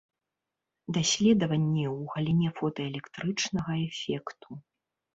Даследаванні ў галіне фотаэлектрычнага эфекту.